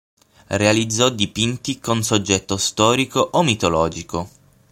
Realizzò dipinti con soggetto storico o mitologico.